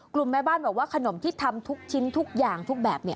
แม่บ้านบอกว่าขนมที่ทำทุกชิ้นทุกอย่างทุกแบบ